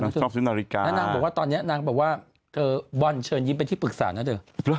นางบอกว่าตอนเนี้ยนางบอกว่าเธอบอลเชิญยิ้มเป็นที่ปรึกษานะเธอ